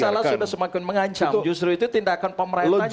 masalah sudah semakin mengancam justru itu tindakan pemerintah juga